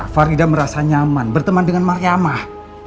farida merasa nyaman berteman dengan mariamah